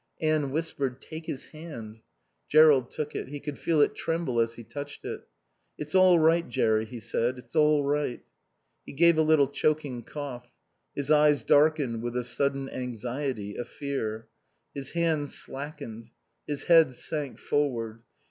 Anne whispered, "Take his hand." Jerrold took it. He could feel it tremble as he touched it. "It's all right, Jerry," he said. "It's all right." He gave a little choking cough. His eyes darkened with a sudden anxiety, a fear. His hand slackened. His head sank forward.